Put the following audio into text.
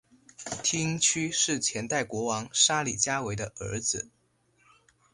梯因屈是前代国王沙里伽维的儿子。